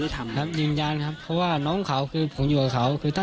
ใช่ยืนยานะครับเพราะว่าน้องเขาที่ยังอยู่กับเขา